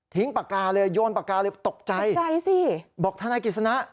ทิ้งปากกาเลยโยนปากกาเลยตกใจบอกทนายกิจสนะ